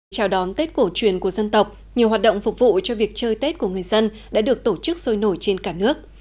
chào đón tết cổ truyền của dân tộc nhiều hoạt động phục vụ cho việc chơi tết của người dân đã được tổ chức sôi nổi trên cả nước